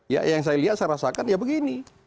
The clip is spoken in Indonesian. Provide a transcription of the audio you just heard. ya yang saya lihat saya rasakan ya begini